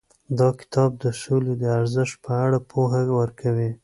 دا کتاب د سولې د ارزښت په اړه پوهه ورکوي.